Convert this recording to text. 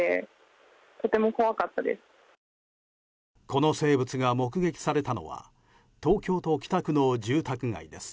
この生物が目撃されたのは東京都北区の住宅街です。